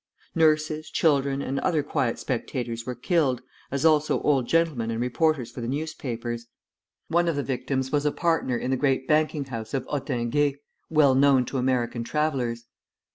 Nurses, children, and other quiet spectators were killed, as also old gentlemen and reporters for the newspapers. One of the victims was a partner in the great banking house of Hottinguer, well known to American travellers.